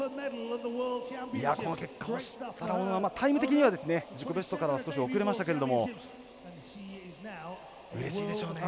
この結果を知ったら小野はタイム的には、自己ベストからは少し遅れましたけどもうれしいでしょうね。